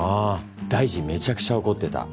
大臣めちゃくちゃ怒ってた。